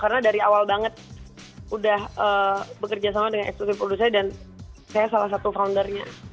karena dari awal banget udah bekerja sama dengan eksekutif produser dan saya salah satu foundernya